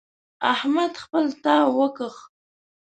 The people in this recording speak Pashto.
احمد خپل تاو وکيښ.